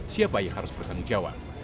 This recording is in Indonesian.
siapa yang harus bertanggung jawab